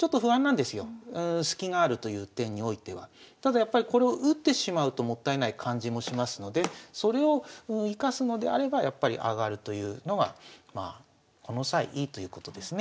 やっぱりこれを打ってしまうともったいない感じもしますのでそれを生かすのであればやっぱり上がるというのがこの際いいということですね。